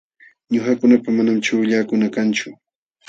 Ñuqakunapa manam chuqllakuna kanchu.